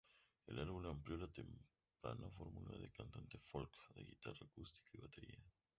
El álbum amplió la temprana fórmula de cantante folk de guitarras acústicas y batería.